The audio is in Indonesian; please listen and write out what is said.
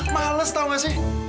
males tau gak sih